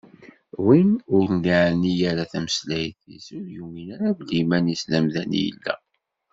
Win ur d-neɛni ara tameslayt-is, ur yumin ara belli iman-is d amdan i yella.